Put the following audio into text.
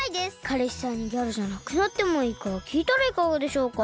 かれしさんにギャルじゃなくなってもいいかきいたらいかがでしょうか？